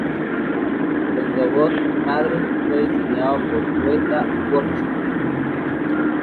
El robot "Madre" fue diseñado por Weta Workshop.